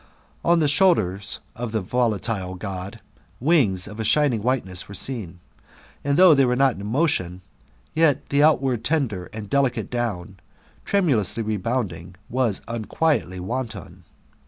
On the shoulders of the volatile God, v.lngs of a shining whiteness were seen ; and though they were not in motion, yet the outward tender and delicate down, tremulously rebounding, was unquietly wanton.